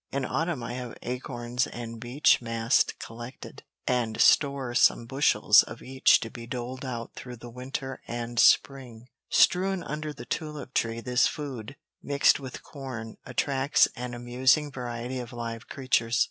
In autumn I have acorns and beech mast collected, and store some bushels of each to be doled out through the winter and spring; strewn under the tulip tree this food, mixed with corn, attracts an amusing variety of live creatures.